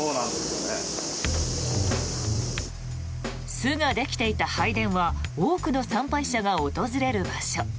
巣ができていた拝殿は多くの参拝者が訪れる場所。